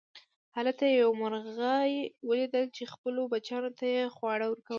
هلته یې یوه مرغۍ وليدله چې خپلو بچیانو ته یې خواړه ورکول.